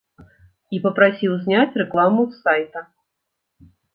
І папрасіў зняць рэкламу з сайта.